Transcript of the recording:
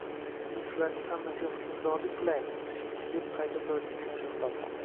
Siz shularning hammasiga hukmdorlik qilaymi? - deb qayta so‘radi Kichkina shahzoda.